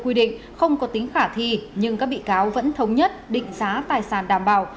quy định không có tính khả thi nhưng các bị cáo vẫn thống nhất định giá tài sản đảm bảo